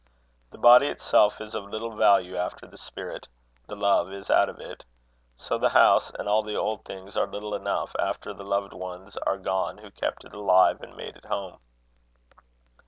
The body itself is of little value after the spirit, the love, is out of it: so the house and all the old things are little enough, after the loved ones are gone who kept it alive and made it home.